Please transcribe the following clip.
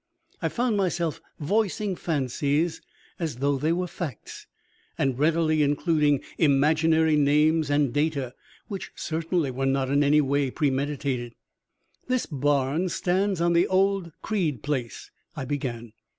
I found myself voicing fancies as though they were facts, and readily including imaginary names and data which certainly were not in any way premeditated. "This barn stands on the old Creed place," I began.